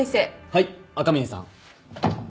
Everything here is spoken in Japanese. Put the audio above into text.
はい赤嶺さん。